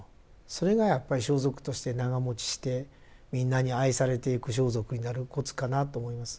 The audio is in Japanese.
それがやっぱり装束として長もちしてみんなに愛されていく装束になるコツかなと思います。